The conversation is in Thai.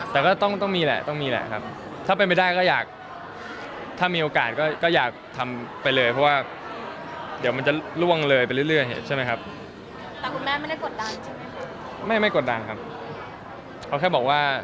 แต่ก็ต้องมีแหละถ้าเป็นไปได้ก็อยากทำไปเลยเพราะว่าเดี๋ยวมันจะล่วงเลยไปเรื่อยใช่มั้ยครับ